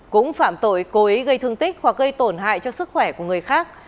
cũng phạm tội cố ý gây thương tích hoặc gây tổn hại cho sức khỏe của người khác